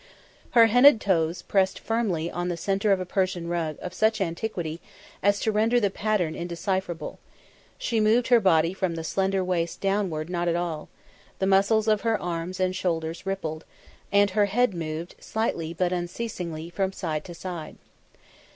Her henna'd toes pressed firmly on the centre of a Persian rug of such antiquity as to render the pattern indecipherable; she moved her body from the slender waist downward not at all; the muscles of her arms and shoulders rippled, and her head moved, slightly but unceasingly from side to side.